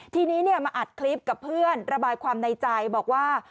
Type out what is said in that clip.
ทีนี้มาอัดคลิปกับเพื่อนระบายความในใจบอกว่า